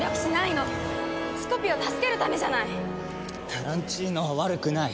タランチーノは悪くない！